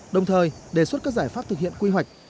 đồng thời đề xuất các giải pháp thực hiện quy hoạch